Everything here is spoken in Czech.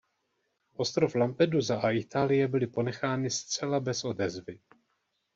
Ostrov Lampedusa a Itálie byly ponechány zcela bez odezvy.